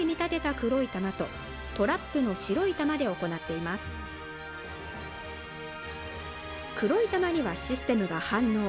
黒い玉にはシステムが反応。